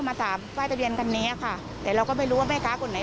มาสามป้ายทะเบียนคันนี้ค่ะแต่เราก็ไม่รู้ว่าแม่ค้าคนไหน